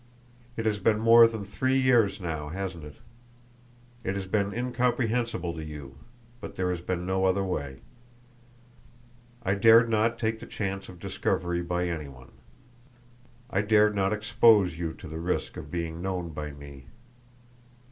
It has been more than three years now, hasn't it? It has been incomprehensible to you, but there has been no other way. I dared not take the chance of discovery by any one; I dared not expose you to the risk of being known by me.